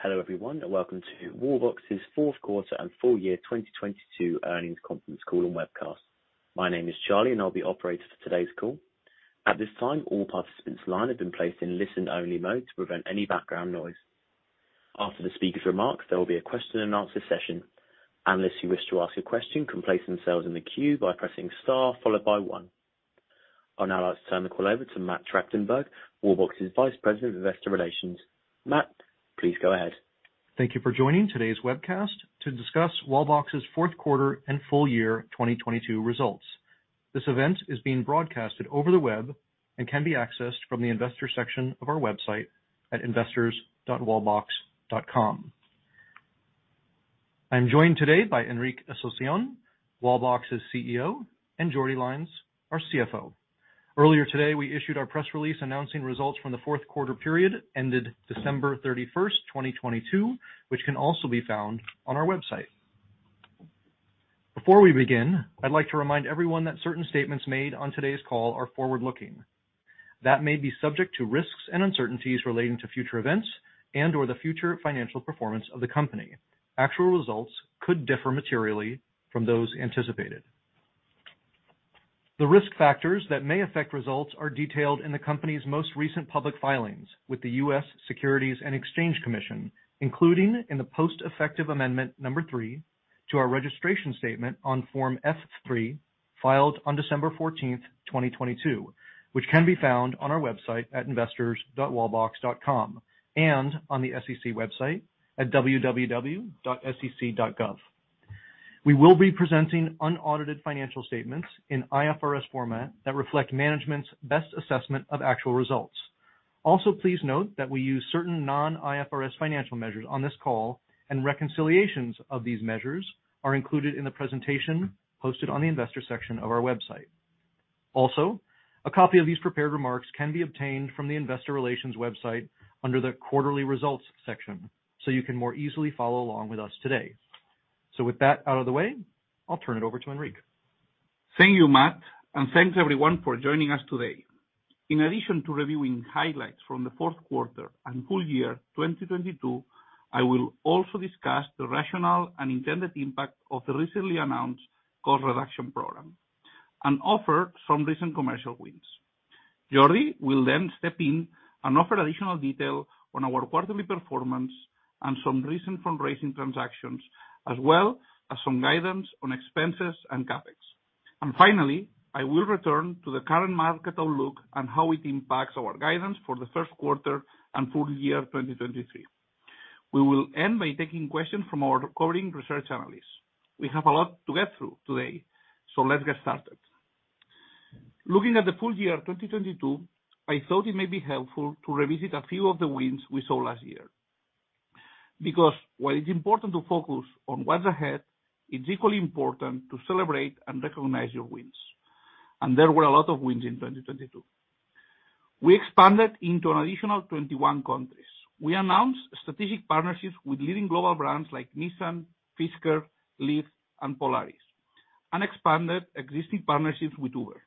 Hello, everyone, and welcome to Wallbox's Q4 and Full Year 2022 Earnings Conference Call and Webcast. My name is Charlie, and I'll be operator for today's call. At this time, all participants line has been placed in listen-only mode to prevent any background noise. After the speaker's remarks, there will be a question-and-answer session. Analysts who wish to ask a question can place themselves in the queue by pressing star followed by one. I'll now like to turn the call over to Matt Tractenberg, Wallbox's Vice President of Investor Relations. Matt, please go ahead. Thank you for joining today's webcast to discuss Wallbox's Q4 and Full Year 2022 Results. This event is being broadcasted over the web and can be accessed from the investor section of our website at investors.wallbox.com. I'm joined today by Enric Asunción, Wallbox's CEO, and Jordi Lainz, our CFO. Earlier today, we issued our press release announcing results from the Q4 period ended December 31st, 2022, which can also be found on our website. Before we begin, I'd like to remind everyone that certain statements made on today's call are forward-looking. That may be subject to risks and uncertainties relating to future events and/or the future financial performance of the company. Actual results could differ materially from those anticipated. The risk factors that may affect results are detailed in the company's most recent public filings with the U.S. Securities and Exchange Commission, including in the post-effective amendment number three to our registration statement on Form F-3, filed on December 14th, 2022, which can be found on our website at investors.wallbox.com and on the SEC website at www.sec.gov. We will be presenting unaudited financial statements in IFRS format that reflect management's best assessment of actual results. Please note that we use certain non-IFRS financial measures on this call, and reconciliations of these measures are included in the presentation posted on the investor section of our website. A copy of these prepared remarks can be obtained from the investor relations website under the quarterly results section, so you can more easily follow along with us today. With that out of the way, I'll turn it over to Enric. Thank you, Matt. Thanks everyone for joining us today. In addition to reviewing highlights from the Q4 and full year 2022, I will also discuss the rational and intended impact of the recently announced cost reduction program and offer some recent commercial wins. Jordi will then step in and offer additional detail on our quarterly performance and some recent fundraising transactions, as well as some guidance on expenses and CapEx. Finally, I will return to the current market outlook and how it impacts our guidance for the Q1 and full year 2023. We will end by taking questions from our covering research analysts. We have a lot to get through today, so let's get started. Looking at the full year 2022, I thought it may be helpful to revisit a few of the wins we saw last year. Because while it's important to focus on what's ahead, it's equally important to celebrate and recognize your wins. There were a lot of wins in 2022. We expanded into an additional 21 countries. We announced strategic partnerships with leading global brands like Nissan, Fisker, LEAF, and Polaris, and expanded existing partnerships with Uber.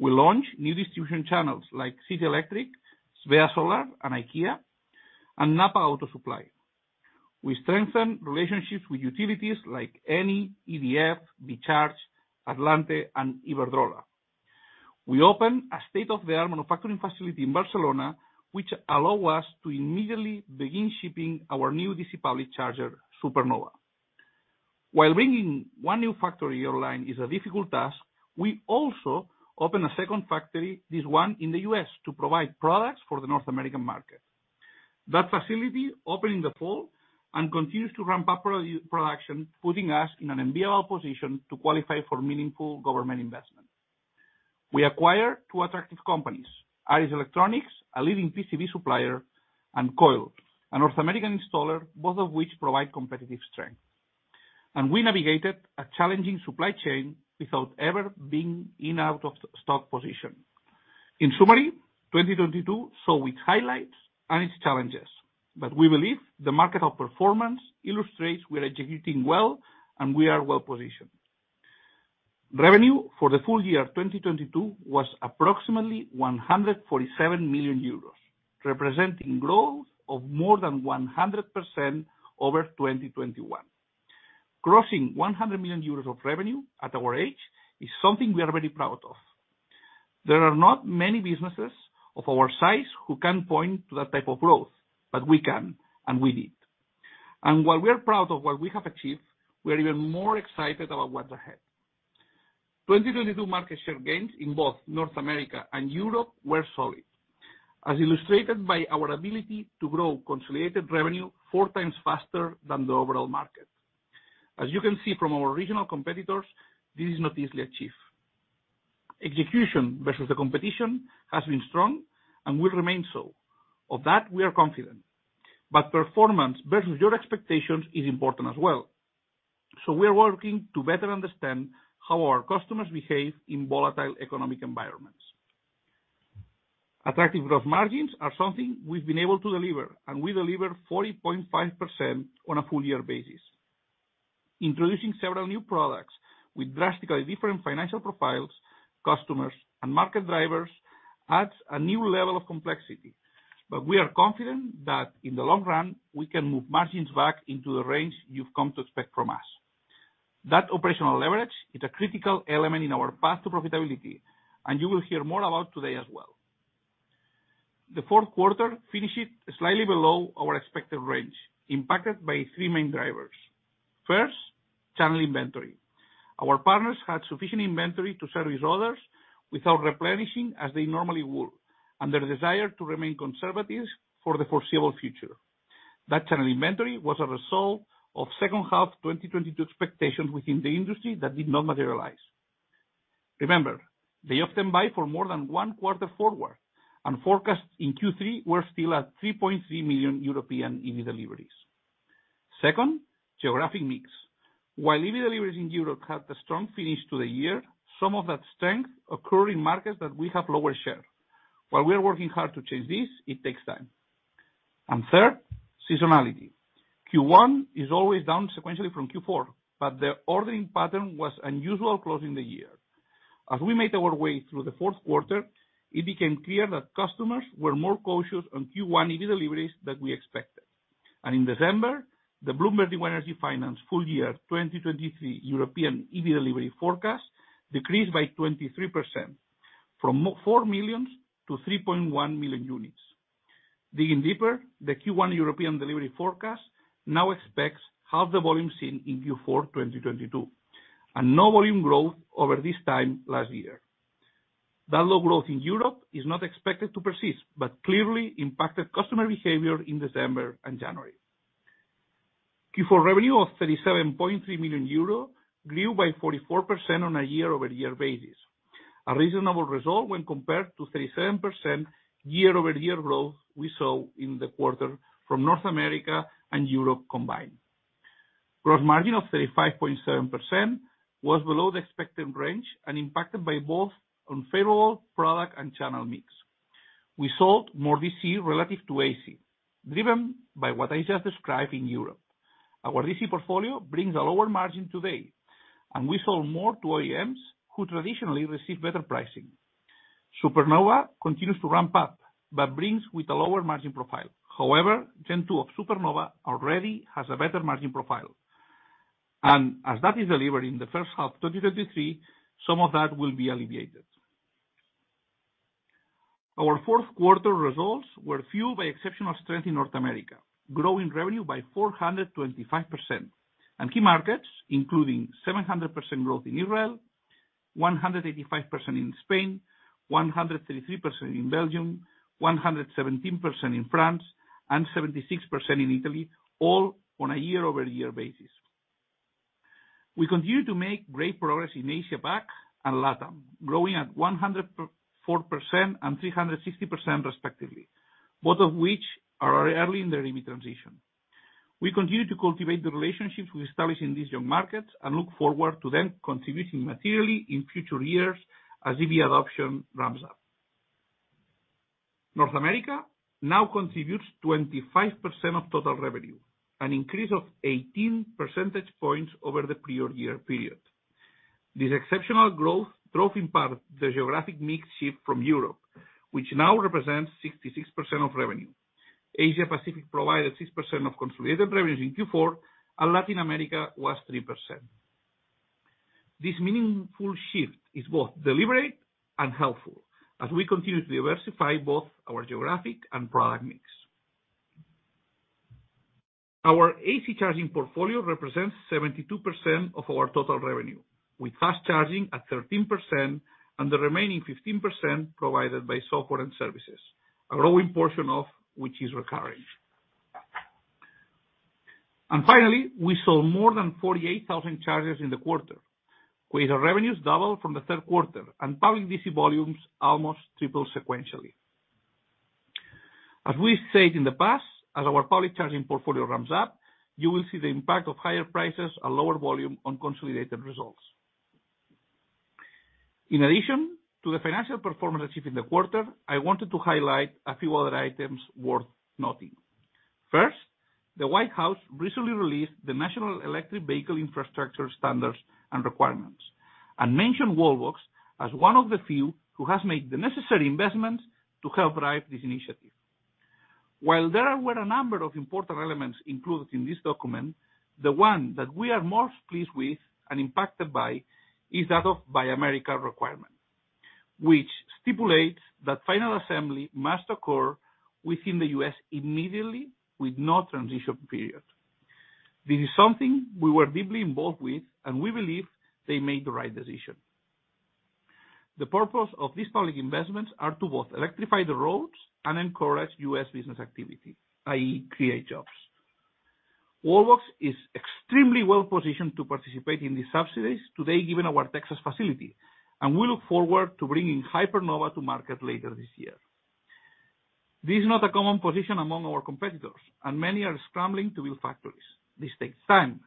We launched new distribution channels like City Electric, Svea Solar, and IKEA, and NAPA Auto Parts. We strengthened relationships with utilities like Eni, EDF, Be Charge, Atlante, and Iberdrola. We opened a state-of-the-art manufacturing facility in Barcelona, which allow us to immediately begin shipping our new DC public charger, Supernova. While bringing one new factory online is a difficult task, we also opened a second factory, this one in the U.S., to provide products for the North American market. That facility opened in the fall and continues to ramp up production, putting us in an enviable position to qualify for meaningful government investment. We acquired two attractive companies, ARES Electronics, a leading PCB supplier, and COIL, Inc., a North American installer, both of which provide competitive strength. We navigated a challenging supply chain without ever being in out-of-stock position. In summary, 2022 saw its highlights and its challenges. We believe the market outperformance illustrates we are executing well, and we are well-positioned. Revenue for the full year 2022 was approximately 147 million euros, representing growth of more than 100% over 2021. Crossing 100 million euros of revenue at our age is something we are very proud of. There are not many businesses of our size who can point to that type of growth, but we can and we did. While we are proud of what we have achieved, we are even more excited about what's ahead. 2022 market share gains in both North America and Europe were solid, as illustrated by our ability to grow consolidated revenue four times faster than the overall market. As you can see from our regional competitors, this is not easily achieved. Execution versus the competition has been strong and will remain so. Of that, we are confident. Performance versus your expectations is important as well. We are working to better understand how our customers behave in volatile economic environments. Attractive growth margins are something we've been able to deliver, and we deliver 40.5% on a full year basis. Introducing several new products with drastically different financial profiles, customers, and market drivers adds a new level of complexity. We are confident that in the long run, we can move margins back into the range you've come to expect from us. That operational leverage is a critical element in our path to profitability, and you will hear more about today as well. The Q4 finished slightly below our expected range, impacted by three main drivers. First, channel inventory. Our partners had sufficient inventory to service orders without replenishing as they normally would, and their desire to remain conservative for the foreseeable future. That channel inventory was a result of H2 2022 expectations within the industry that did not materialize. Remember, they often buy for more than one quarter forward, and forecasts in Q3 were still at 3.3 million European EV deliveries. Second, geographic mix. While EV deliveries in Europe had a strong finish to the year, some of that strength occur in markets that we have lower share. While we are working hard to change this, it takes time. Third, seasonality. Q1 is always down sequentially from Q4, but the ordering pattern was unusual closing the year. As we made our way through the Q4, it became clear that customers were more cautious on Q1 EV deliveries than we expected. In December, the Bloomberg New Energy Finance full year 2023 European EV delivery forecast decreased by 23%, from 4 million to 3.1 million units. Digging deeper, the Q1 European delivery forecast now expects half the volume seen in Q4 2022, and no volume growth over this time last year. Low growth in Europe is not expected to persist, clearly impacted customer behavior in December and January. Q4 revenue of 37.3 million euro grew by 44% on a year-over-year basis. A reasonable result when compared to 37% year-over-year growth we saw in the quarter from North America and Europe combined. Gross margin of 35.7% was below the expected range and impacted by both unfavorable product and channel mix. We sold more DC relative to AC, driven by what I just described in Europe. Our DC portfolio brings a lower margin today, and we sold more to OEMs who traditionally receive better pricing. Supernova continues to ramp up, but brings with a lower margin profile. However, gen 2 of Supernova already has a better margin profile. As that is delivered in the H1 2023, some of that will be alleviated. Our Q4 results were fueled by exceptional strength in North America, growing revenue by 425%. Key markets, including 700% growth in Israel, 185% in Spain, 133% in Belgium, 117% in France, and 76% in Italy, all on a year-over-year basis. We continue to make great progress in Asia‑Pac and LATAM, growing at 104% and 360% respectively, both of which are early in their EV transition. We continue to cultivate the relationships we established in these young markets and look forward to them contributing materially in future years as EV adoption ramps up. North America now contributes 25% of total revenue, an increase of 18 percentage points over the prior year period. This exceptional growth drove in part the geographic mix shift from Europe, which now represents 66% of revenue. Asia Pacific provided 6% of consolidated revenue in Q4. Latin America was 3%. This meaningful shift is both deliberate and helpful as we continue to diversify both our geographic and product mix. Our AC charging portfolio represents 72% of our total revenue, with fast charging at 13% and the remaining 15% provided by software and services, a growing portion of which is recurring. Finally, we sold more than 48,000 chargers in the quarter, with our revenues double from the Q2 and public DC volumes almost triple sequentially. As we said in the past, as our public charging portfolio ramps up, you will see the impact of higher prices and lower volume on consolidated results. In addition to the financial performance achieved in the quarter, I wanted to highlight a few other items worth noting. First, the White House recently released the National Electric Vehicle Infrastructure Standards and Requirements and mentioned Wallbox as one of the few who has made the necessary investments to help drive this initiative. While there were a number of important elements included in this document, the one that we are most pleased with and impacted by is that of Buy America requirement, which stipulates that final assembly must occur within the U.S. immediately with no transition period. This is something we were deeply involved with, and we believe they made the right decision. The purpose of these public investments are to both electrify the roads and encourage U.S. business activity, i.e., create jobs. Wallbox is extremely well positioned to participate in these subsidies today, given our Texas facility, and we look forward to bringing Hypernova to market later this year. This is not a common position among our competitors, and many are scrambling to build factories. This takes time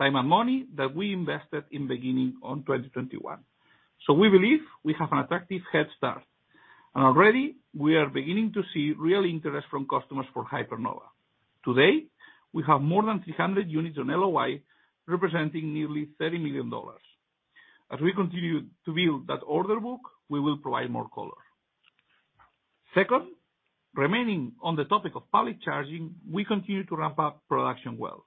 and money that we invested in beginning on 2021. We believe we have an attractive head start. Already we are beginning to see real interest from customers for Hypernova. Today, we have more than 300 units on LOI, representing nearly $30 million. As we continue to build that order book, we will provide more color. Second, remaining on the topic of public charging, we continue to ramp up production well.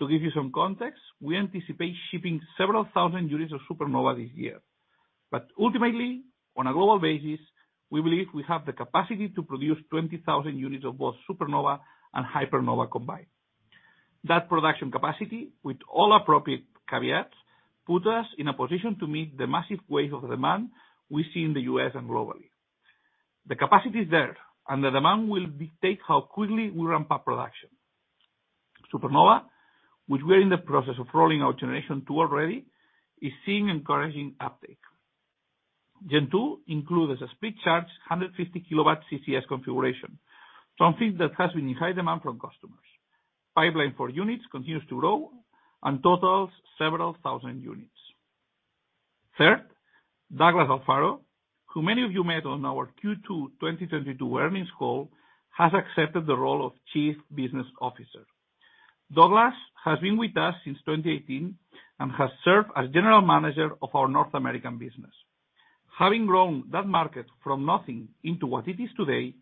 To give you some context, we anticipate shipping several thousand units of Supernova this year. Ultimately, on a global basis, we believe we have the capacity to produce 20,000 units of both Supernova and Hypernova combined. That production capacity, with all appropriate caveats, puts us in a position to meet the massive wave of demand we see in the U.S. and globally. The capacity is there, the demand will dictate how quickly we ramp up production. Supernova, which we are in the process of rolling out generation two already, is seeing encouraging uptake. Gen two includes a split charge, 150 kW CCS configuration, something that has been in high demand from customers. Pipeline for units continues to grow and totals several thousand units. Third, Douglas Alfaro, who many of you met on our Q2 2022 earnings call, has accepted the role of Chief Business Officer. Douglas has been with us since 2018 and has served as general manager of our North American business. Having grown that market from nothing into what it is today,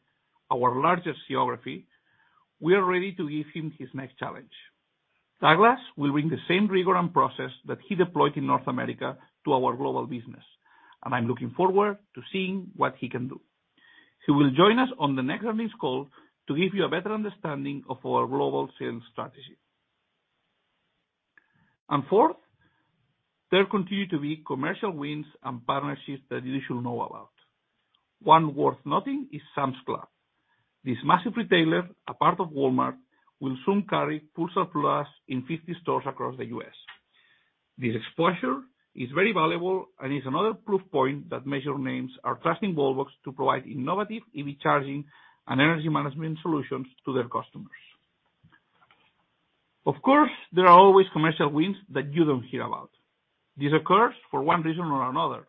our largest geography, we are ready to give him his next challenge. Douglas will bring the same rigor and process that he deployed in North America to our global business, and I'm looking forward to seeing what he can do. He will join us on the next earnings call to give you a better understanding of our global sales strategy. Fourth, there continue to be commercial wins and partnerships that you should know about. One worth noting is Sam's Club. This massive retailer, a part of Walmart, will soon carry Pulsar Plus in 50 stores across the U.S. This exposure is very valuable and is another proof point that major names are trusting Wallbox to provide innovative EV charging and energy management solutions to their customers. Of course, there are always commercial wins that you don't hear about. This occurs for one reason or another,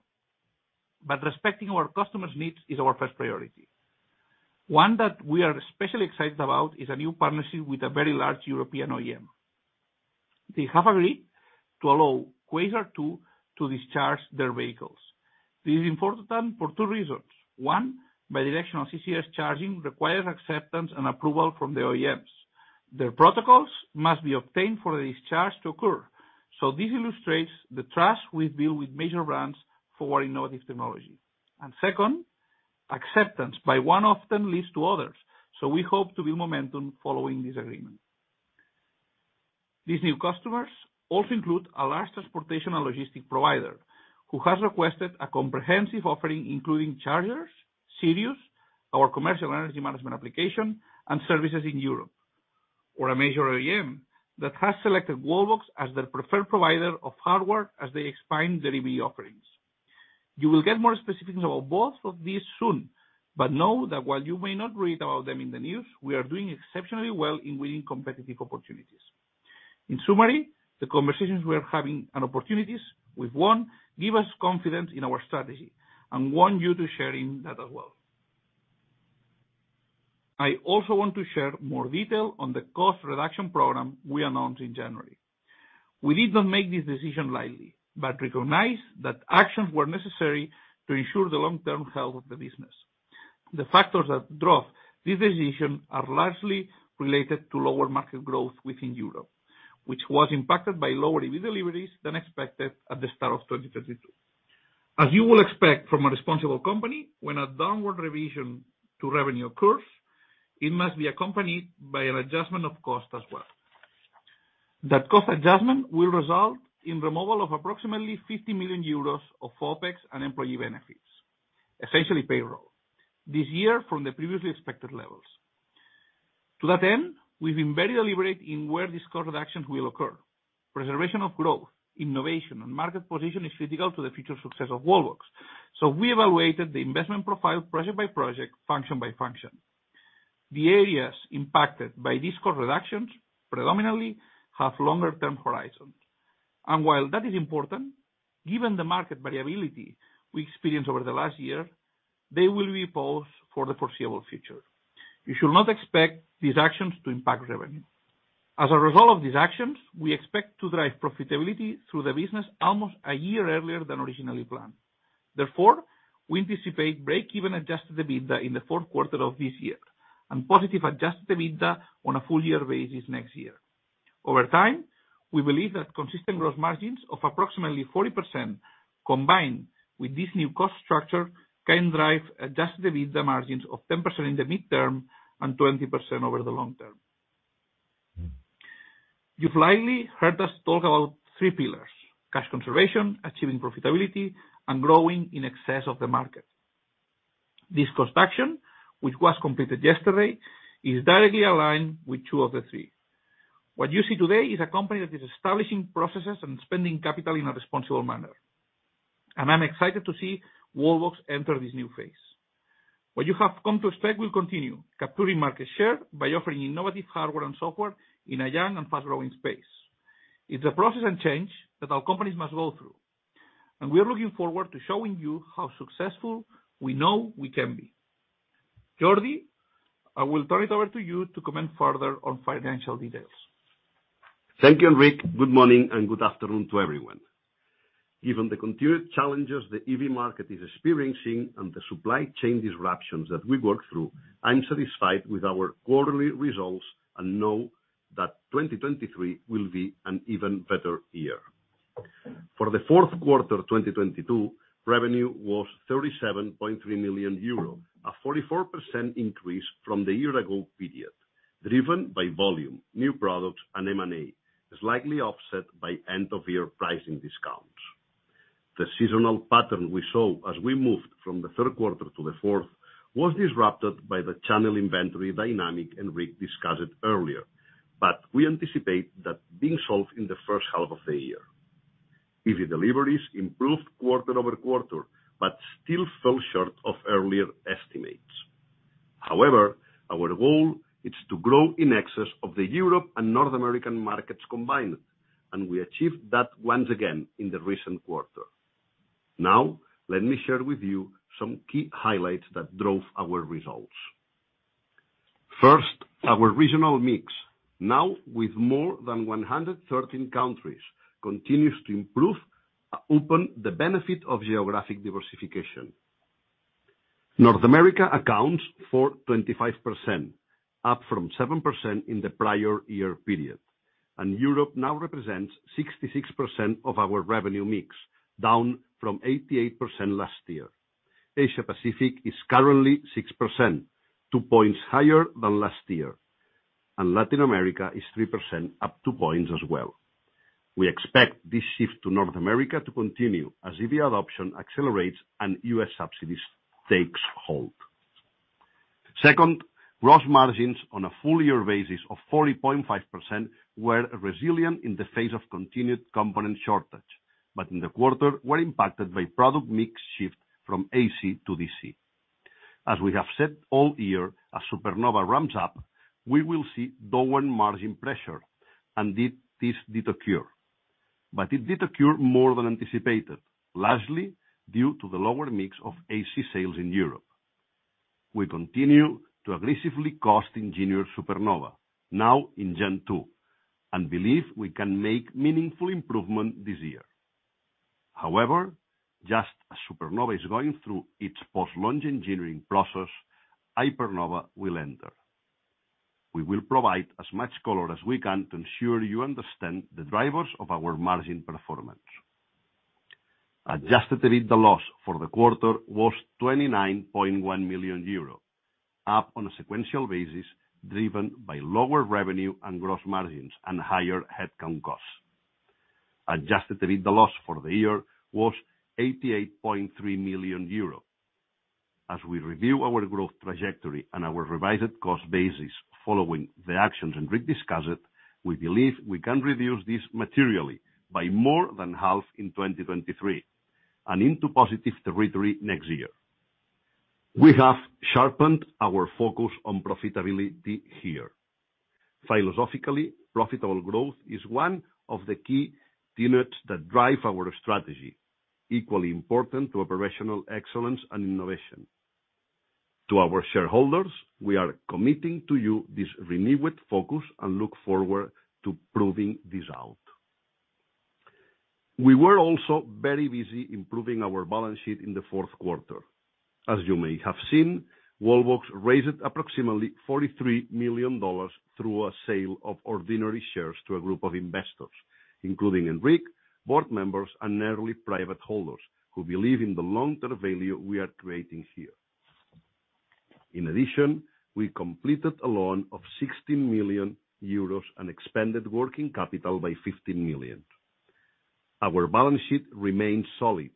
respecting our customers' needs is our first priority. One that we are especially excited about is a new partnership with a very large European OEM. They have agreed to allow Quasar 2 to discharge their vehicles. This is important for two reasons. One, bidirectional CCS charging requires acceptance and approval from the OEMs. Their protocols must be obtained for the discharge to occur. This illustrates the trust we've built with major brands for our innovative technology. Second, acceptance by one of them leads to others, so we hope to build momentum following this agreement. These new customers also include a large transportation and logistic provider who has requested a comprehensive offering, including chargers, Sirius, our commercial energy management application, and services in Europe, or a major OEM that has selected Wallbox as their preferred provider of hardware as they expand their EV offerings. You will get more specifics about both of these soon, but know that while you may not read about them in the news, we are doing exceptionally well in winning competitive opportunities. In summary, the conversations we are having and opportunities we've won give us confidence in our strategy and want you to share in that as well. I also want to share more detail on the cost reduction program we announced in January. We did not make this decision lightly but recognized that actions were necessary to ensure the long-term health of the business. The factors that drove this decision are largely related to lower market growth within Europe, which was impacted by lower EV deliveries than expected at the start of 2022. As you will expect from a responsible company, when a downward revision to revenue occurs, it must be accompanied by an adjustment of cost as well. That cost adjustment will result in removal of approximately 50 million euros of OpEx and employee benefits, essentially payroll, this year from the previously expected levels. To that end, we've been very deliberate in where these cost reductions will occur. Preservation of growth, innovation, and market position is critical to the future success of Wallbox. We evaluated the investment profile project by project, function by function. The areas impacted by these cost reductions predominantly have longer term horizons. While that is important, given the market variability we experienced over the last year, they will be paused for the foreseeable future. You should not expect these actions to impact revenue. As a result of these actions, we expect to drive profitability through the business almost a year earlier than originally planned. Therefore, we anticipate break-even Adjusted EBITDA in the Q4 of this year and positive Adjusted EBITDA on a full year basis next year. Over time, we believe that consistent gross margins of approximately 40% combined with this new cost structure can drive Adjusted EBITDA margins of 10% in the midterm and 20% over the long term. You've likely heard us talk about three pillars: cash conservation, achieving profitability, and growing in excess of the market. This cost action, which was completed yesterday, is directly aligned with two of the three. What you see today is a company that is establishing processes and spending capital in a responsible manner. I'm excited to see Wallbox enter this new phase. What you have come to expect will continue, capturing market share by offering innovative hardware and software in a young and fast-growing space. It's a process and change that our companies must go through, and we are looking forward to showing you how successful we know we can be. Jordi, I will turn it over to you to comment further on financial details. Thank you, Enric. Good morning and good afternoon to everyone. Given the continued challenges the EV market is experiencing and the supply chain disruptions that we work through, I'm satisfied with our quarterly results and know that 2023 will be an even better year. For the Q4 of 2022, revenue was 37.3 million euros, a 44% increase from the year-ago period, driven by volume, new products, and M&A, slightly offset by end-of-year pricing discounts. The seasonal pattern we saw as we moved from the Q2 to the fourth was disrupted by the channel inventory dynamic Enric discussed earlier. We anticipate that being solved in the H1 of the year. EV deliveries improved quarter-over-quarter. Still fell short of earlier estimates. Our goal is to grow in excess of the Europe and North American markets combined, and we achieved that once again in the recent quarter. Let me share with you some key highlights that drove our results. Our regional mix, now with more than 113 countries, continues to improve, open the benefit of geographic diversification. North America accounts for 25%, up from 7% in the prior year period, and Europe now represents 66% of our revenue mix, down from 88% last year. Asia Pacific is currently 6%, two points higher than last year, and Latin America is 3%, up two points as well. We expect this shift to North America to continue as EV adoption accelerates and US subsidies takes hold. Gross margins on a full year basis of 40.5% were resilient in the face of continued component shortage, but in the quarter, were impacted by product mix shift from AC to DC. As we have said all year, as Supernova ramps up, we will see downward margin pressure, this did occur. It did occur more than anticipated, largely due to the lower mix of AC sales in Europe. We continue to aggressively cost engineer Supernova, now in gen two, believe we can make meaningful improvement this year. However, just as Supernova is going through its post-launch engineering process, Hypernova will enter. We will provide as much color as we can to ensure you understand the drivers of our margin performance. Adjusted EBITDA loss for the quarter was 29.1 million euro, up on a sequential basis, driven by lower revenue and gross margins and higher headcount costs. Adjusted EBITDA loss for the year was 88.3 million euros. As we review our growth trajectory and our revised cost basis following the actions Enric discussed, we believe we can reduce this materially by more than half in 2023 and into positive territory next year. We have sharpened our focus on profitability here. Philosophically, profitable growth is one of the key tenets that drive our strategy, equally important to operational excellence and innovation. To our shareholders, we are committing to you this renewed focus and look forward to proving this out. We were also very busy improving our balance sheet in the Q4. As you may have seen, Wallbox raised approximately $43 million through a sale of ordinary shares to a group of investors, including Enric, board members, and early private holders who believe in the long-term value we are creating here. In addition, we completed a loan of 60 million euros and expanded working capital by 15 million. Our balance sheet remains solid,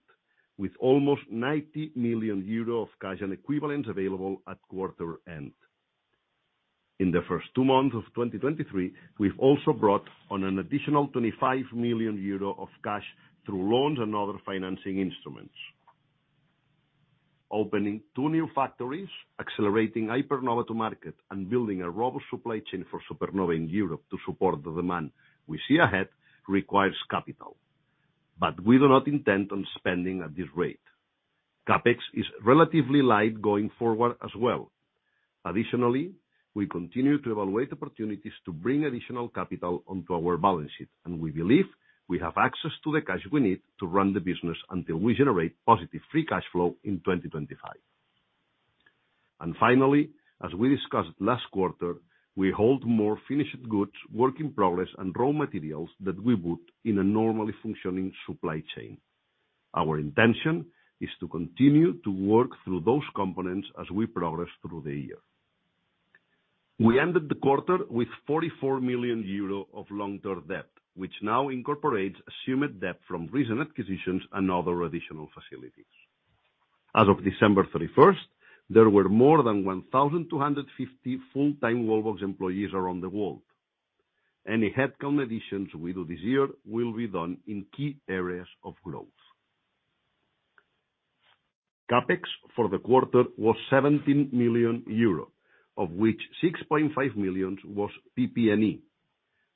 with almost 90 million euro of cash and equivalents available at quarter end. In the first two months of 2023, we've also brought on an additional 25 million euro of cash through loans and other financing instruments. Opening two new factories, accelerating Hypernova to market, and building a robust supply chain for Supernova in Europe to support the demand we see ahead requires capital. We do not intend on spending at this rate. CapEx is relatively light going forward as well. We continue to evaluate opportunities to bring additional capital onto our balance sheet, and we believe we have access to the cash we need to run the business until we generate positive free cash flow in 2025. Finally, as we discussed last quarter, we hold more finished goods, work in progress, and raw materials than we would in a normally functioning supply chain. Our intention is to continue to work through those components as we progress through the year. We ended the quarter with 44 million euro of long-term debt, which now incorporates assumed debt from recent acquisitions and other additional facilities. As of December 31st, there were more than 1,250 full-time Wallbox employees around the world. Any headcount additions we do this year will be done in key areas of growth. CapEx for the quarter was 17 million euro, of which 6.5 million was PP&E.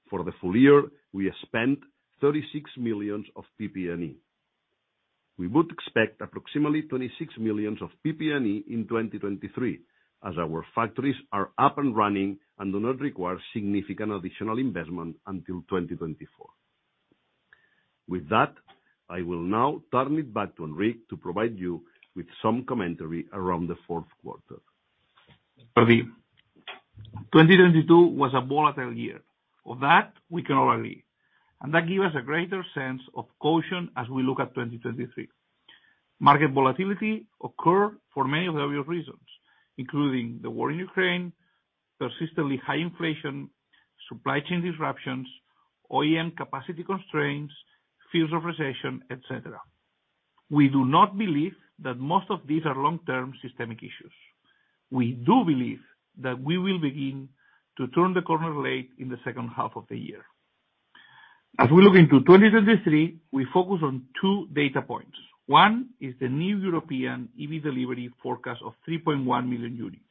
For the full year, we spent 36 million of PP&E. We would expect approximately 26 million of PP&E in 2023, as our factories are up and running and do not require significant additional investment until 2024. With that, I will now turn it back to Enric to provide you with some commentary around the Q4. Jordi, 2022 was a volatile year. Of that, we can all agree, and that give us a greater sense of caution as we look at 2023. Market volatility occur for many of the obvious reasons, including the war in Ukraine, persistently high inflation, supply chain disruptions, OEM capacity constraints, fears of recession, et cetera. We do not believe that most of these are long-term systemic issues. We do believe that we will begin to turn the corner late in the H2 of the year. As we look into 2023, we focus on two data points. One is the new European EV delivery forecast of 3.1 million units,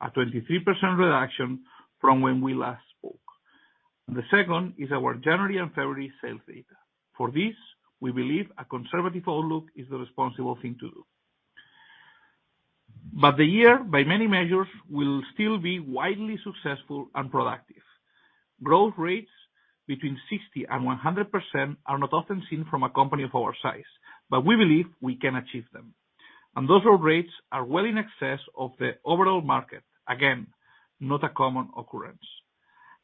a 23% reduction from when we last spoke. The second is our January and February sales data. For this, we believe a conservative outlook is the responsible thing to do. The year, by many measures, will still be widely successful and productive. Growth rates between 60%-100% are not often seen from a company of our size, but we believe we can achieve them. Those growth rates are well in excess of the overall market. Again, not a common occurrence.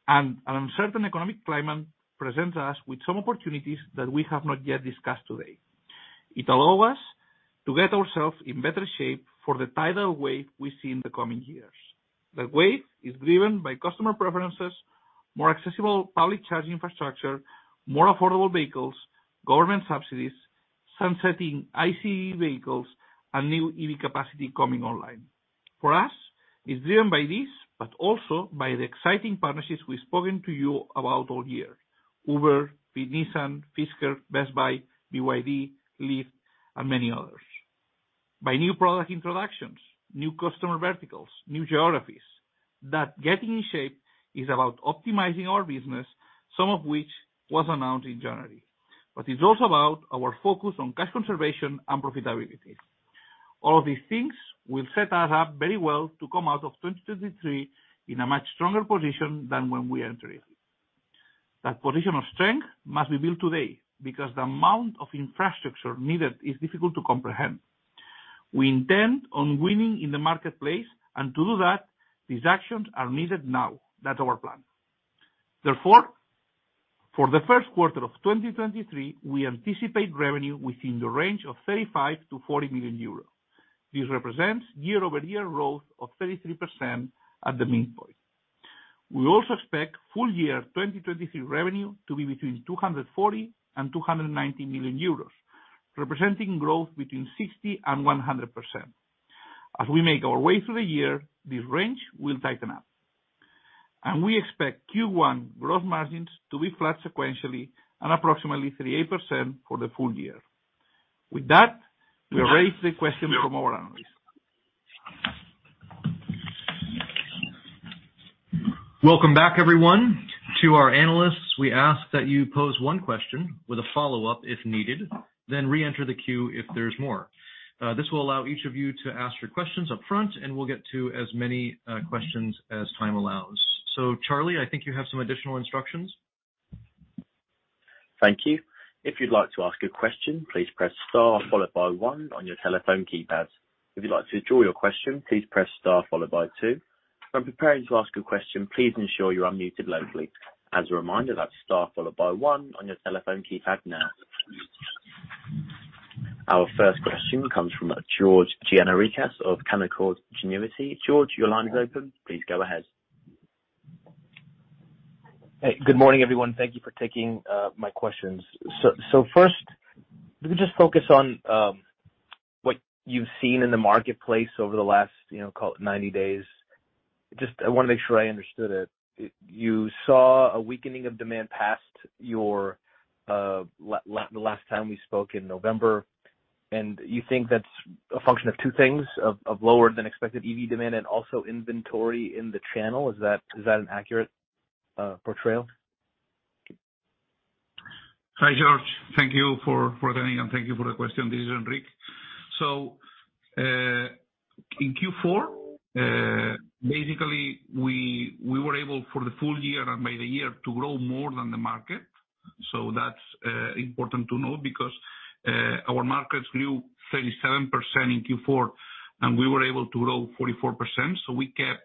An uncertain economic climate presents us with some opportunities that we have not yet discussed today. It allow us to get ourselves in better shape for the tidal wave we see in the coming years. The wave is driven by customer preferences, more accessible public charging infrastructure, more affordable vehicles, government subsidies, sunsetting ICE vehicles, and new EV capacity coming online. For us, it's driven by this, but also by the exciting partnerships we've spoken to you about all year, Uber, with Nissan, Fisker, Best Buy, BYD, Leaf, and many others, by new product introductions, new customer verticals, new geographies. That getting in shape is about optimizing our business, some of which was announced in January. It's also about our focus on cash conservation and profitability. All of these things will set us up very well to come out of 2023 in a much stronger position than when we entered it. That position of strength must be built today because the amount of infrastructure needed is difficult to comprehend. We intend on winning in the marketplace, and to do that, these actions are needed now. That's our plan. For the Q1 of 2023, we anticipate revenue within the range of 35 million-40 million euros. This represents year-over-year growth of 33% at the midpoint. We also expect full year 2023 revenue to be between 240 million and 290 million euros, representing growth between 60% and 100%. As we make our way through the year, this range will tighten up. We expect Q1 growth margins to be flat sequentially and approximately 38% for the full year. With that, we'll raise the question from our analysts. Welcome back, everyone. To our analysts, we ask that you pose one question with a follow-up if needed, then reenter the queue if there's more. This will allow each of you to ask your questions up front, and we'll get to as many questions as time allows. Charlie, I think you have some additional instructions. Thank you. If you'd like to ask a question, please press star followed by one on your telephone keypads. If you'd like to withdraw your question, please press star followed by two. When preparing to ask a question, please ensure you're unmuted locally. As a reminder, that's star followed by one on your telephone keypad now. Our first question comes from George Gianarikas of Canaccord Genuity. George, your line is open. Please go ahead. Hey, good morning, everyone. Thank you for taking my questions. First, let me just focus on what you've seen in the marketplace over the last, you know, call it 90 days. Just I wanna make sure I understood it. You saw a weakening of demand past you're the last time we spoke in November, and you think that's a function of two things, of lower-than-expected EV demand and also inventory in the channel. Is that an accurate portrayal? Hi, George. Thank you for joining, and thank you for the question. This is Enric. In Q4, basically, we were able for the full year and by the year to grow more than the market. That's important to know because our markets grew 37% in Q4, and we were able to grow 44%, so we kept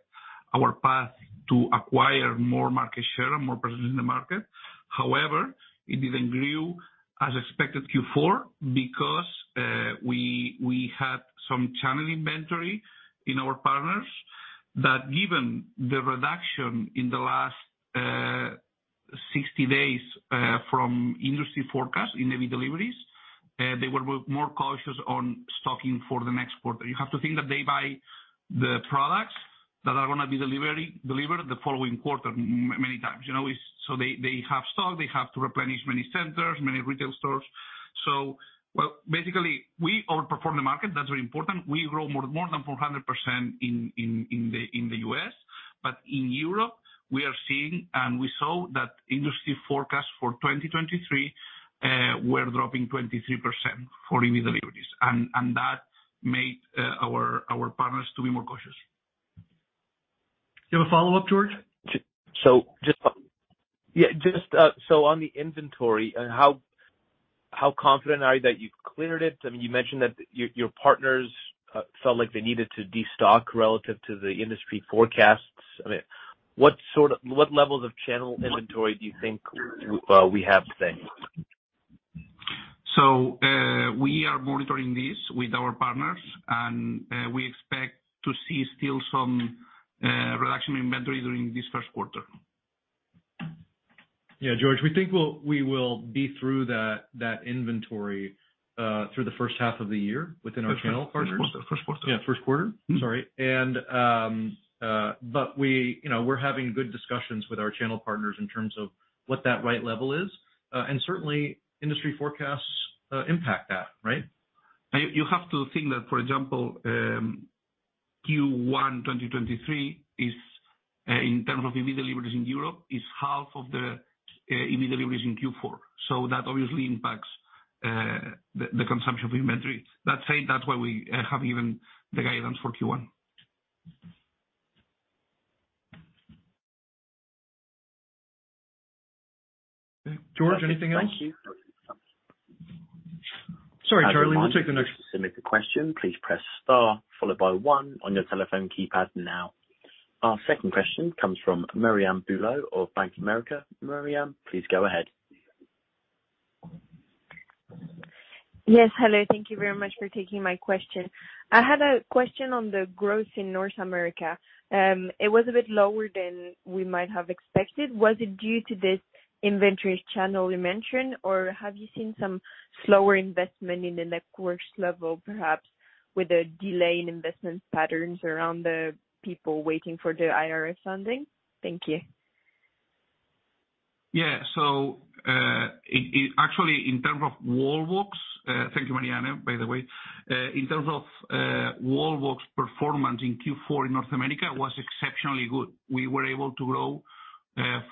our path to acquire more market share and more presence in the market. However, it didn't grew as expected Q4 because we had some channel inventory in our partners that given the reduction in the last 60 days from industry forecast in EV deliveries, they were more cautious on stocking for the next quarter. You have to think that they buy the products that are gonna be delivered the following quarter many times. You know, it's they have stock, they have to replenish many centers, many retail stores. Well, basically we outperform the market. That's very important. We grow more than 400% in the U.S. In Europe, we are seeing and we saw that industry forecasts for 2023 were dropping 23% for e-deliveries. That made our partners to be more cautious. Do you have a follow-up, George? just, so on the inventory, how confident are you that you've cleared it? I mean, you mentioned that your partners, felt like they needed to destock relative to the industry forecasts. I mean, what levels of channel inventory do you think well, we have today? We are monitoring this with our partners, and we expect to see still some reduction in inventory during this Q1. Yeah, George, we think we'll, we will be through that inventory through the H1 of the year within our channel partners. Q1. Yeah, Q1. Sorry. We, you know, we're having good discussions with our channel partners in terms of what that right level is. Certainly industry forecasts impact that, right? You have to think that, for example, Q1 2023 is in terms of e-deliveries in Europe, is half of the e-deliveries in Q4. That obviously impacts the consumption of inventory. That said, that's why we have even the guidance for Q1. George, anything else? Thank you. Sorry, Charlie. We'll take the next- To submit the question, please press star followed by one on your telephone keypad now. Our second question comes from Marianne Bulot of Bank of America. Marianne, please go ahead. Yes. Hello. Thank you very much for taking my question. I had a question on the growth in North America. It was a bit lower than we might have expected. Was it due to this inventory channel you mentioned, or have you seen some slower investment in the networks level, perhaps with a delay in investment patterns around the people waiting for the IRS funding? Thank you. Yeah. Actually, in terms of Wallbox, thank you, Marianne, by the way. In terms of, Wallbox performance in Q4 in North America was exceptionally good. We were able to grow, 440%.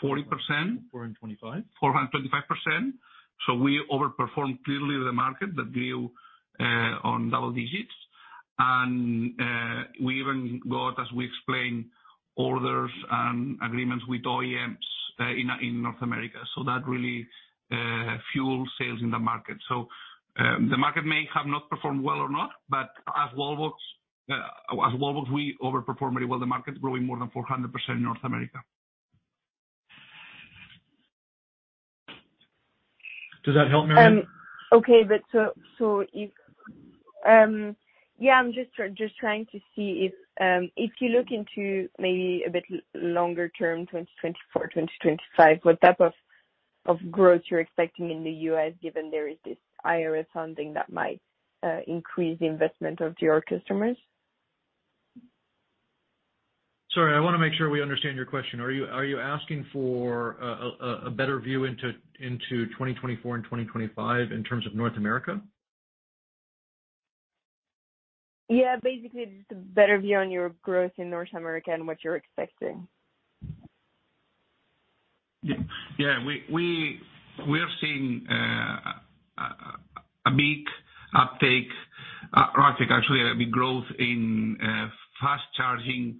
425. 425%. We overperformed clearly the market that grew on double digits. We even got, as we explained, orders and agreements with OEMs in North America. That really fueled sales in the market. The market may have not performed well or not, but as Wallbox, we overperformed very well the market, growing more than 400% in North America. Does that help, Marianne? Okay. So if, yeah, I'm just trying to see if you look into maybe a bit longer term, 2024, 2025, what type of growth you're expecting in the U.S., given there is this IRS funding that might increase the investment of your customers? Sorry, I wanna make sure we understand your question. Are you asking for a better view into 2024 and 2025 in terms of North America? Yeah, basically just a better view on your growth in North America and what you're expecting. Yeah. We are seeing actually a big uptake or I think a big growth in fast charging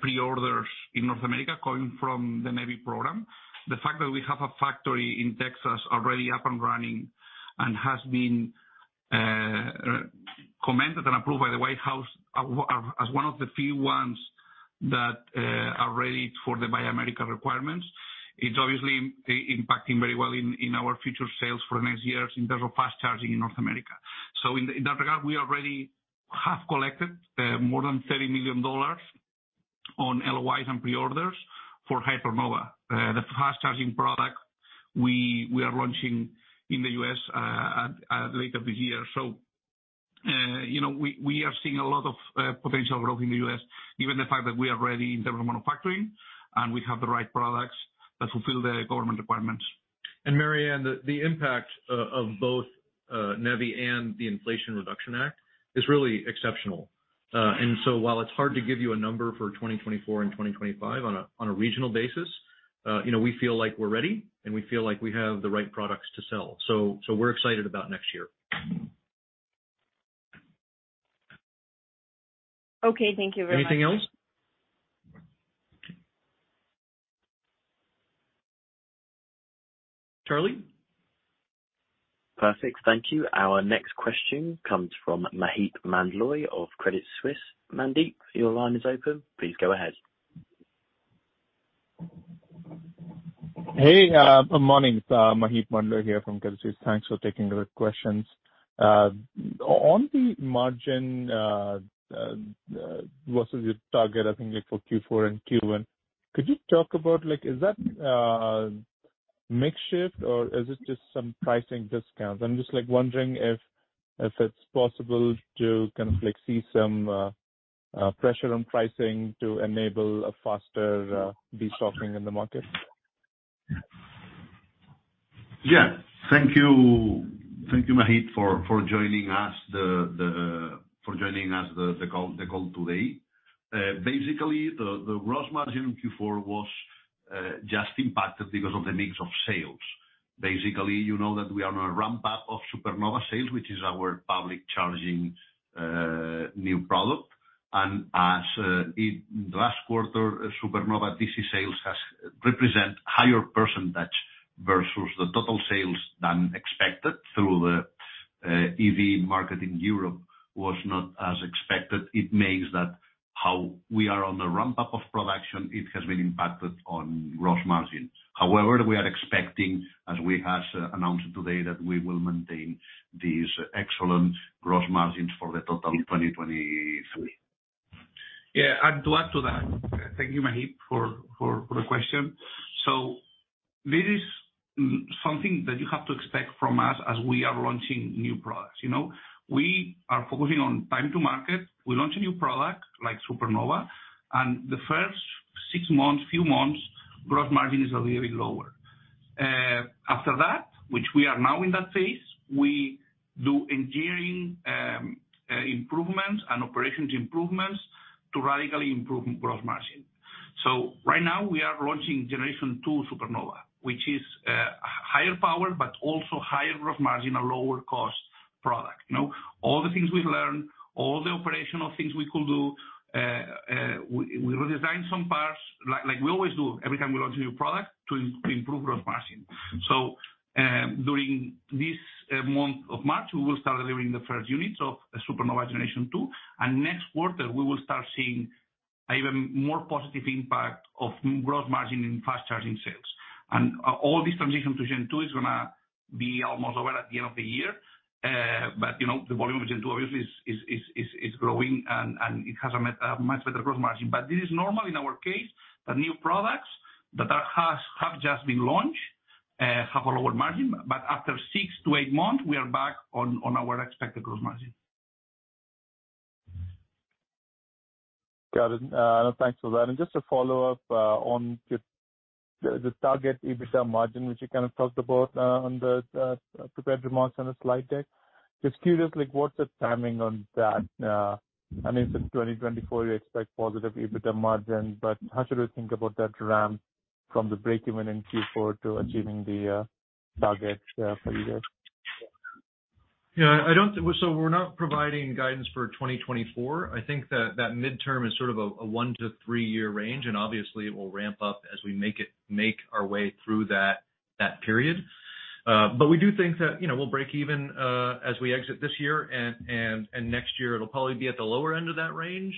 pre-orders in North America coming from the NEVI program. The fact that we have a factory in Texas already up and running and has been commented and approved by the White House as one of the few ones that are ready for the Buy America requirements, it's obviously impacting very well in our future sales for the next years in terms of fast charging in North America. In that regard, we already have collected more than $30 million on LOIs and pre-orders for Hypernova, the fast-charging product we are launching in the U.S. later this year. You know, we are seeing a lot of potential growth in the U.S., given the fact that we are ready in terms of manufacturing, and we have the right products that fulfill the government requirements. Marianne, the impact of both NEVI and the Inflation Reduction Act is really exceptional. While it's hard to give you a number for 2024 and 2025 on a regional basis, you know, we feel like we're ready, and we feel like we have the right products to sell. We're excited about next year. Okay. Thank you very much. Anything else? Charlie? Perfect. Thank you. Our next question comes from Maheep Mandloi of Credit Suisse. Maheep, your line is open. Please go ahead. Hey, good morning. It's Maheep Mandloi here from Credit Suisse. Thanks for taking the questions. On the margin, versus your target, I think like for Q4 and Q1, could you talk about like, is that Mix shift or is it just some pricing discounts? I'm just, like, wondering if it's possible to kind of like see some pressure on pricing to enable a faster destocking in the market. Yeah. Thank you. Thank you, Maheep, for joining us the call today. Basically, the gross margin in Q4 was just impacted because of the mix of sales. Basically, you know that we are on a ramp up of Supernova sales, which is our public charging new product. As in last quarter, Supernova DC sales has represent higher % versus the total sales than expected through the EV market in Europe was not as expected. It means that how we are on the ramp up of production, it has been impacted on gross margin. However, we are expecting, as we have announced today, that we will maintain these excellent gross margins for the total 2023. To add to that. Thank you, Maheep, for the question. This is something that you have to expect from us as we are launching new products, you know? We are focusing on time to market. We launch a new product like Supernova, the first six months, few months, gross margin is a little bit lower. After that, which we are now in that phase, we do engineering improvements and operations improvements to radically improve gross margin. Right now, we are launching generation two Supernova, which is higher power, but also higher gross margin, a lower cost product. You know, all the things we learned, all the operational things we could do, we redesign some parts like we always do every time we launch a new product to improve gross margin. During this month of March, we will start delivering the first units of Supernova generation two, next quarter we will start seeing even more positive impact of gross margin in fast charging sales. All this transition to gen two is gonna be almost over at the end of the year. You know, the volume of gen two obviously is growing and it has a much better gross margin. This is normal in our case, the new products that have just been launched, have a lower margin. After six to eight months, we are back on our expected gross margin. Got it. Thanks for that. Just a follow-up on the target EBITDA margin, which you kind of talked about on the prepared remarks on the slide deck. Just curious, like what's the timing on that? I mean, since 2024, you expect positive EBITDA margin, but how should we think about that ramp from the break-even in Q4 to achieving the target for you guys? Yeah. I don't. We're not providing guidance for 2024. I think that that midterm is sort of a one to three-year range, and obviously it will ramp up as we make our way through that period. We do think that, you know, we'll break even as we exit this year and next year it'll probably be at the lower end of that range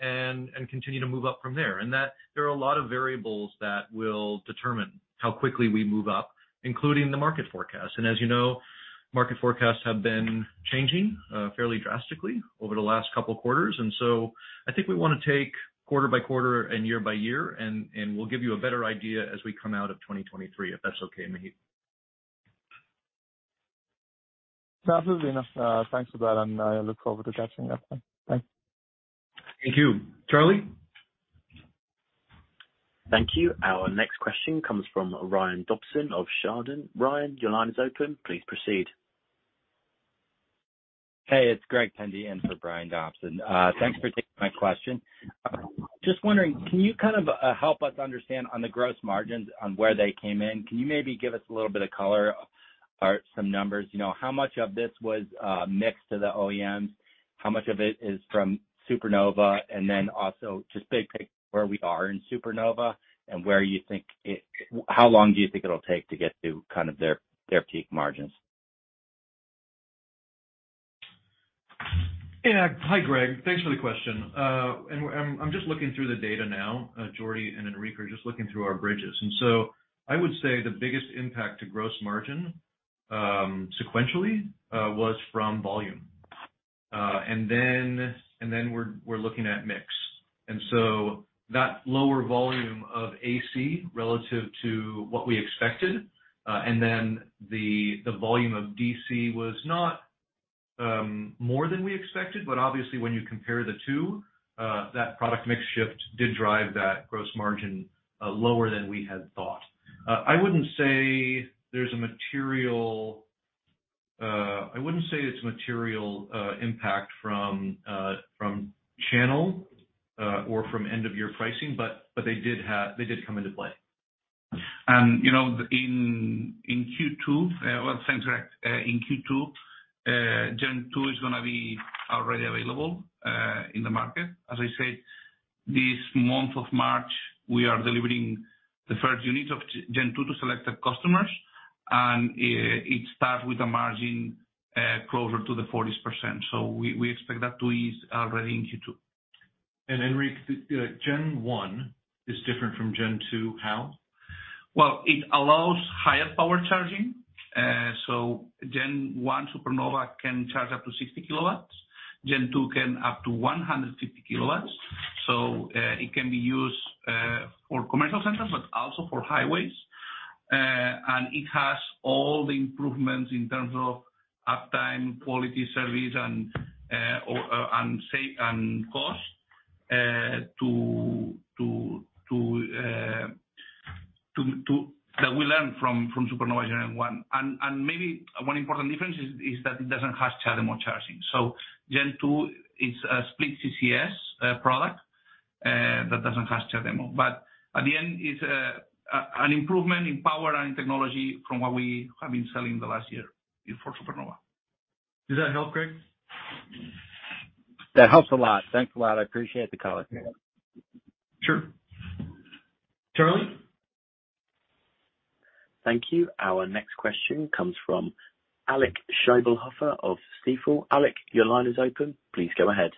and continue to move up from there. That there are a lot of variables that will determine how quickly we move up, including the market forecast. As you know, market forecasts have been changing fairly drastically over the last couple quarters.I think we wanna take quarter by quarter and year by year and we'll give you a better idea as we come out of 2023, if that's okay, Maheep. Absolutely. Thanks for that, and I look forward to catching up then. Bye. Thank you. Charlie? Thank you. Our next question comes from Brian Dobson of Chardan. Brian, your line is open. Please proceed. Hey, it's Greg Pendy in for Brian Dobson. Thanks for taking my question. Just wondering, can you kind of help us understand on the gross margins on where they came in, can you maybe give us a little bit of color or some numbers? You know, how much of this was mixed to the OEMs? How much of it is from Supernova? Also just big picture, where we are in Supernova. How long do you think it'll take to get to kind of their peak margins? Yeah. Hi, Greg, thanks for the question. I'm just looking through the data now. Jordi and Enric are just looking through our bridges. I would say the biggest impact to gross margin sequentially was from volume. Then we're looking at mix. That lower volume of AC relative to what we expected, and then the volume of DC was not more than we expected, but obviously when you compare the two, that product mix shift did drive that gross margin lower than we had thought. I wouldn't say it's material impact from channel or from end of year pricing, but they did come into play. You know, in Q2, well, thanks, Greg. In Q2, gen two is gonna be already available in the market. As I said, this month of March, we are delivering the first unit of gen two to selected customers, and it starts with the margin closer to the 40%. We expect that to ease already in Q2. Enric, the gen-one is different from gen-two how? Well, it allows higher power charging. Gen one Supernova can charge up to 60 kW. Gen two can up to 150 kW, it can be used for commercial centers, but also for highways. It has all the improvements in terms of uptime, quality service and cost to that we learned from Supernova Gen1. Maybe one important difference is that it doesn't have CHAdeMO charging. Gen two is a split CCS product that doesn't have CHAdeMO. At the end, it's an improvement in power and in technology from what we have been selling the last year for Supernova. Does that help, Greg? That helps a lot. Thanks a lot. I appreciate the call. Sure. Charlie? Thank you. Our next question comes from Alec Scheibelhoffer of Stifel. Alec, your line is open. Please go ahead.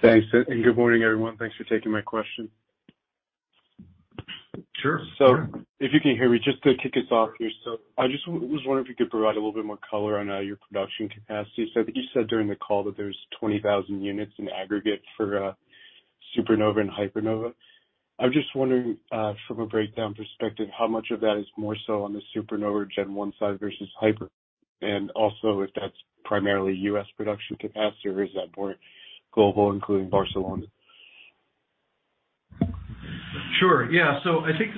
Thanks. Good morning, everyone. Thanks for taking my question. Sure, sure. If you can hear me, just to kick us off here. I just was wondering if you could provide a little bit more color on your production capacity. I think you said during the call that there's 20,000 units in aggregate for Supernova and Hypernova. I'm just wondering from a breakdown perspective, how much of that is more so on the Supernova Gen one side versus Hyper? Also, if that's primarily U.S. production capacity or is that more global, including Barcelona? Sure. Yeah. I think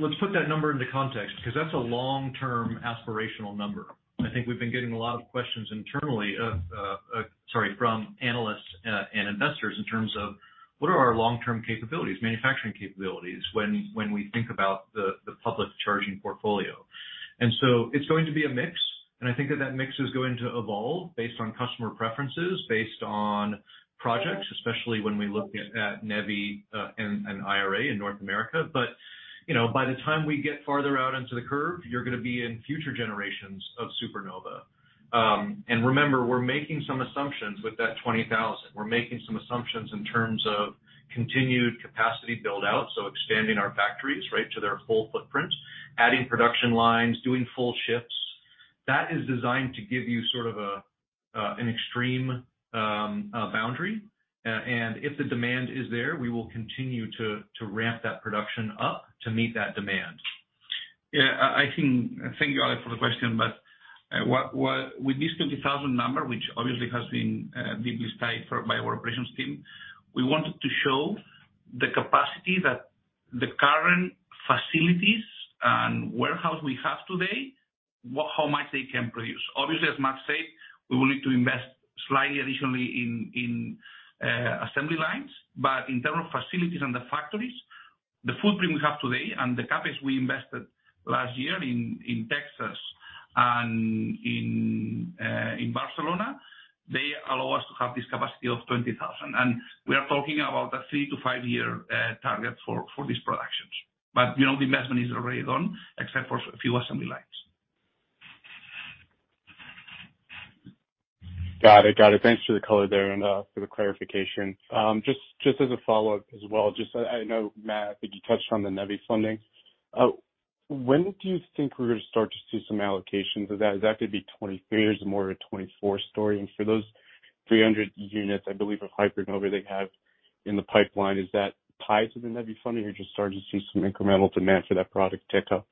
Let's put that number into context because that's a long-term aspirational number. I think we've been getting a lot of questions internally, sorry, from analysts and investors in terms of what are our long-term capabilities, manufacturing capabilities when we think about the public charging portfolio. It's going to be a mix, and I think that that mix is going to evolve based on customer preferences, based on projects, especially when we look at NEVI and IRA in North America. You know, by the time we get farther out into the curve, you're gonna be in future generations of Supernova. Remember, we're making some assumptions with that 20,000. We're making some assumptions in terms of continued capacity build out, so expanding our factories, right, to their full footprint, adding production lines, doing full shifts. That is designed to give you sort of a, an extreme, boundary. If the demand is there, we will continue to ramp that production up to meet that demand. I think. Thank you, Alec, for the question. What with this 20,000 number, which obviously has been deeply studied by our operations team, we wanted to show the capacity that the current facilities and warehouse we have today, how much they can produce. Obviously, as Matt said, we will need to invest slightly additionally in assembly lines. In terms of facilities and the factories, the footprint we have today and the CapEx we invested last year in Texas and in Barcelona, they allow us to have this capacity of 20,000. We are talking about a three to five year target for these productions. You know, the investment is already done except for a few assembly lines. Got it. Thanks for the color there and for the clarification. Just as a follow-up as well, I know, Matt, I think you touched on the NEVI funding. When do you think we're gonna start to see some allocations of that? Is that gonna be 2023 or is it more a 2024 story? For those 300 units I believe of Hypernova they have in the pipeline, is that tied to the NEVI funding or you're just starting to see some incremental demand for that product tick up?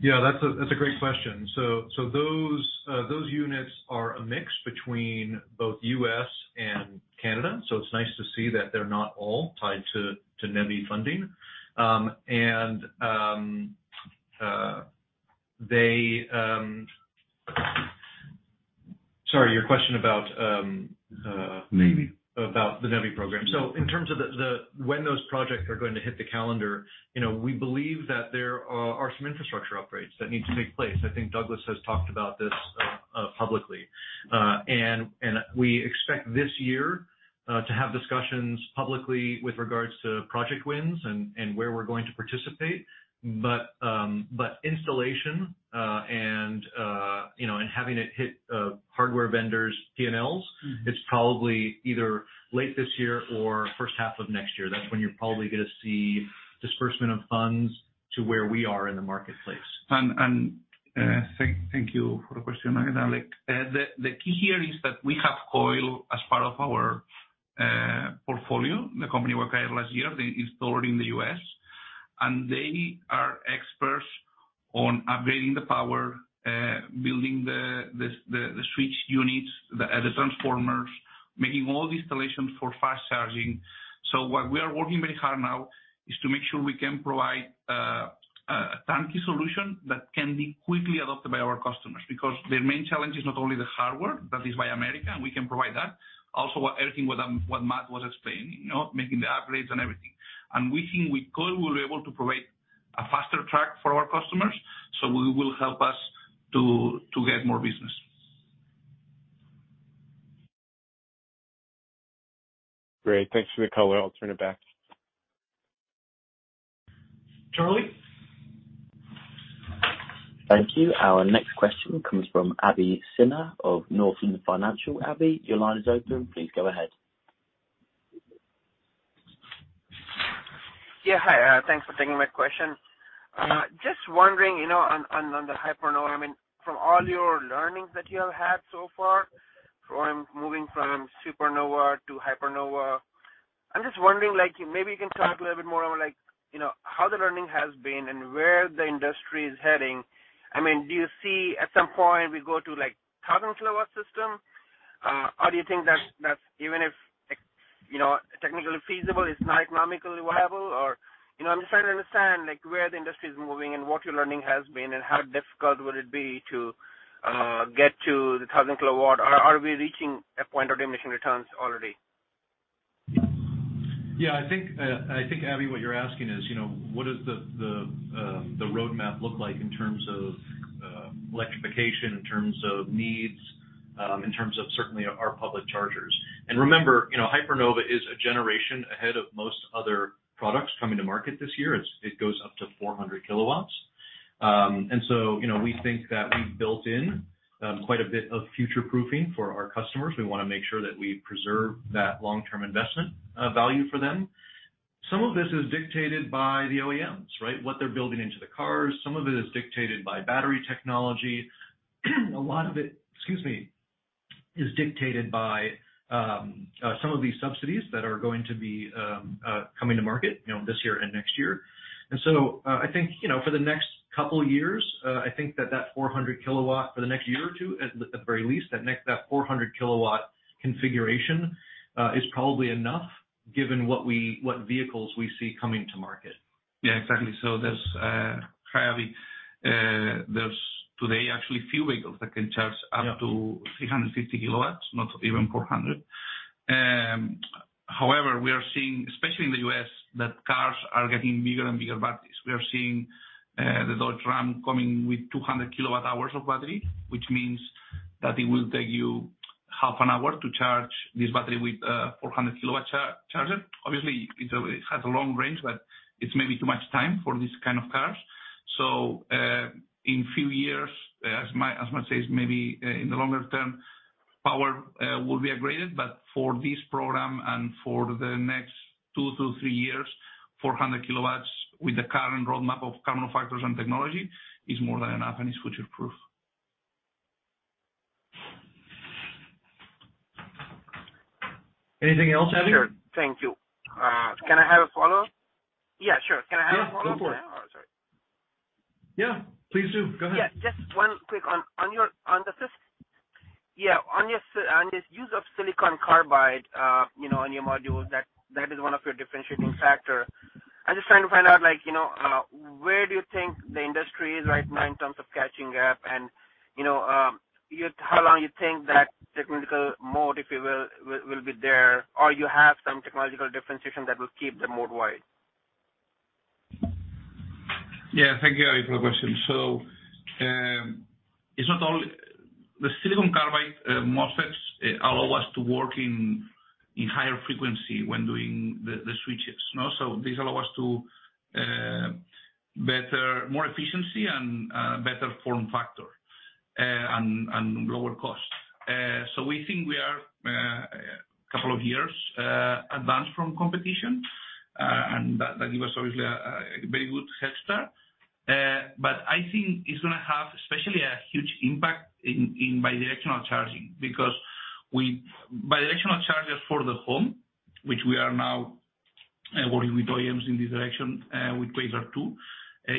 Yeah, that's a great question. Those units are a mix between both U.S. and Canada, so it's nice to see that they're not all tied to NEVI funding. Sorry, your question about. NEVI. About the NEVI program. In terms of the when those projects are going to hit the calendar, you know, we believe that there are some infrastructure upgrades that need to take place. I think Douglas has talked about this publicly. We expect this year to have discussions publicly with regards to project wins and where we're going to participate. Installation, and you know, and having it hit hardware vendors' PNLs, it's probably either late this year or H1 of next year. That's when you're probably gonna see disbursement of funds to where we are in the marketplace. Thank you for the question again, Alec. The key here is that we have Coil as part of our portfolio, the company we acquired last year, they installed in the U.S. They are experts on upgrading the power, building the switch units, the transformers, making all the installations for fast charging. What we are working very hard now is to make sure we can provide a turnkey solution that can be quickly adopted by our customers. Their main challenge is not only the hardware, that is why America, and we can provide that. Also everything what Matt was explaining, you know, making the upgrades and everything. We think with Coil we'll be able to provide a faster track for our customers, so will help us to get more business. Great. Thanks for the color. I'll turn it back. Charlie? Thank you. Our next question comes from Abhishek Sinha of Northland Capital Markets. Abhishek, your line is open. Please go ahead. Hi, thanks for taking my question. Just wondering, you know, on the Hypernova, I mean, from all your learnings that you have had so far from moving from Supernova to Hypernova, I'm just wondering, like, maybe you can talk a little bit more on, like, you know, how the learning has been and where the industry is heading. I mean, do you see at some point we go to, like, 1,000 kilowatt system? Or do you think that's even if, you know, technically feasible, it's not economically viable? You know, I'm just trying to understand, like, where the industry is moving and what your learning has been and how difficult would it be to get to the 1,000 kilowatt? Or are we reaching a point of diminishing returns already? Yeah, I think, I think, Abhi, what you're asking is, you know, what is the roadmap look like in terms of electrification, in terms of needs, in terms of certainly our public chargers? Remember, you know, Hypernova is a generation ahead of most other products coming to market this year. It goes up to 400 kilowatts. You know, we think that we've built in quite a bit of future-proofing for our customers. We wanna make sure that we preserve that long-term investment value for them. Some of this is dictated by the OEMs, right? What they're building into the cars. Some of it is dictated by battery technology. A lot of it, excuse me, is dictated by, some of these subsidies that are going to be, coming to market, you know, this year and next year. I think, you know, for the next couple years, I think that that 400 kilowatt for the next year or two, at the, at the very least, that 400 kilowatt configuration, is probably enough given what vehicles we see coming to market. Yeah, exactly. There's, hi, Abhi. There's today actually few vehicles that can charge up to 350 kW, not even 400 kW. However, we are seeing, especially in the US, that cars are getting bigger and bigger batteries. We are seeing the Dodge Ram coming with 200 kWh of battery, which means that it will take you half an hour to charge this battery with a 400 kW charger. Obviously, it has a long range, but it's maybe too much time for these kind of cars. In few years, as Matt says, maybe in the longer term, power will be upgraded. For this program and for the next two to three years, 400 kW with the current roadmap of current factors and technology is more than enough, and it's future-proof. Anything else, Abhi? Sure. Thank you. Can I have a follow-up? Yeah, sure. Can I have a follow-up? Yeah, go for it. Oh, sorry. Yeah, please do. Go ahead. Yeah, just one quick on this use of silicon carbide, you know, on your modules, that is one of your differentiating factor. I'm just trying to find out, like, you know, where do you think the industry is right now in terms of catching up and, you know, how long you think that technical moat, if you will be there, or you have some technological differentiation that will keep the moat wide? Thank you, Abhi, for the question. The silicon carbide MOSFETs allow us to work in higher frequency when doing the switches. You know? These allow us to more efficiency and better form factor and lower cost. We think we are couple of years advanced from competition, and that gives us obviously a very good head start. I think it's gonna have especially a huge impact in bi-directional charging because bi-directional chargers for the home, which we are now working with OEMs in this direction, with Quasar 2,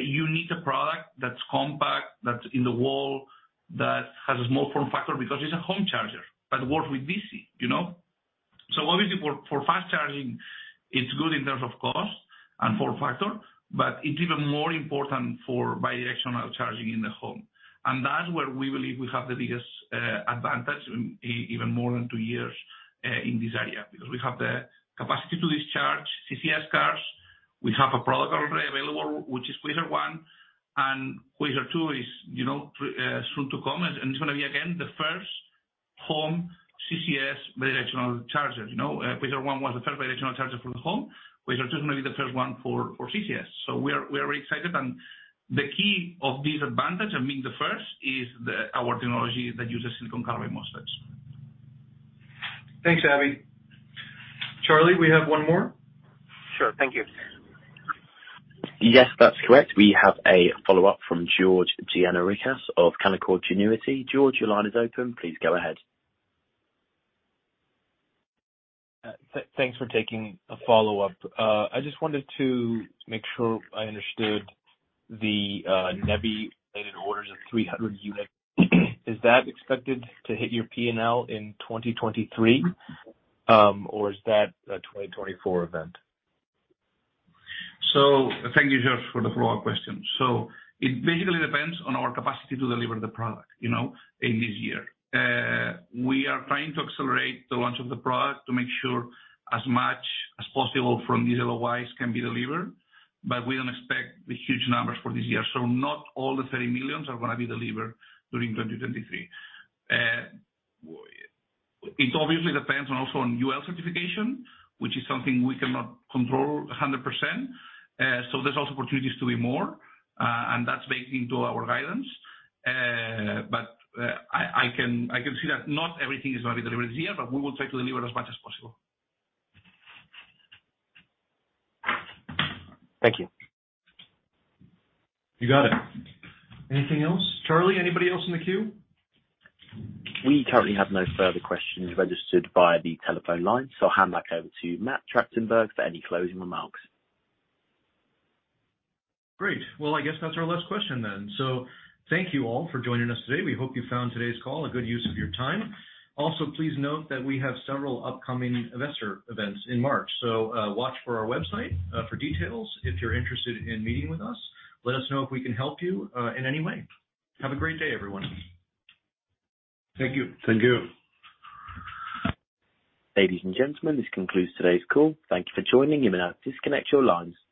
you need a product that's compact, that's in the wall, that has a small form factor because it's a home charger, but works with DC, you know? Obviously for fast charging, it's good in terms of cost and form factor, but it's even more important for bi-directional charging in the home. That's where we believe we have the biggest advantage, even more than two years in this area, because we have the capacity to discharge CCS cars. We have a product already available, which is Quasar 1, and Quasar 2 is, you know, soon to come, and it's gonna be again the first home CCS bi-directional charger. You know. Quasar 1 was the first bi-directional charger for the home. Quasar 2 is gonna be the first one for CCS. We are excited. The key of this advantage and being the first is our technology that uses silicon carbide MOSFETs. Thanks, Abhi. Charlie, we have one more. Sure. Thank you. Yes, that's correct. We have a follow-up from George Gianarikas of Canaccord Genuity. George, your line is open. Please go ahead. Thanks for taking a follow-up. I just wanted to make sure I understood the NEVI-related orders of 300 units. Is that expected to hit your P&L in 2023 or is that a 2024 event? Thank you, George, for the follow-up question. It basically depends on our capacity to deliver the product, you know, in this year. We are trying to accelerate the launch of the product to make sure as much as possible from these LOIs can be delivered, but we don't expect the huge numbers for this year. Not all the $30 million are gonna be delivered during 2023. It obviously depends on also on UL certification, which is something we cannot control 100%. There's also opportunities to be more, and that's baked into our guidance. I can see that not everything is gonna be delivered this year, but we will try to deliver as much as possible. Thank you. You got it. Anything else? Charlie, anybody else in the queue? We currently have no further questions registered via the telephone line, so I'll hand back over to Matt Tractenberg for any closing remarks. Great. Well, I guess that's our last question then. Thank you all for joining us today. We hope you found today's call a good use of your time. Also, please note that we have several upcoming investor events in March. Watch for our website for details. If you're interested in meeting with us, let us know if we can help you in any way. Have a great day, everyone. Thank you. Thank you. Ladies and gentlemen, this concludes today's call. Thank you for joining. You may now disconnect your lines.